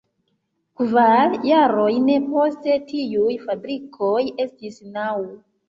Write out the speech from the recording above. Kvin jarojn poste tiuj fabrikoj estis naŭ.